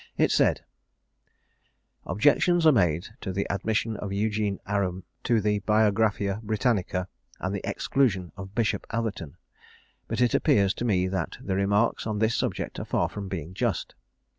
It is said: "Objections are made to the admission of Eugene Aram into the Biographia Britannica, and the exclusion of Bishop Atherton; but it appears to me that the remarks on this subject are far from being just.